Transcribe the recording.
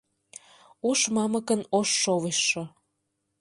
Ош мамыкын ош шовычшо.